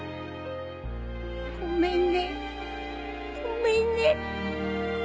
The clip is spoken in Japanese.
ごめんねごめんね